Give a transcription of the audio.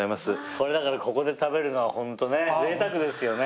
これだからここで食べるのはホントねぜいたくですよね。